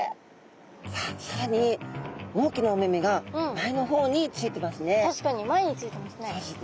さあさらに大きなお目目が前の方についてますね。